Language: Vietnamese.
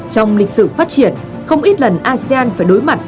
trong lịch sử phát triển không ít lần asean phải đối mặt